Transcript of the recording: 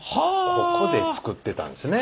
ここで作ってたんですね。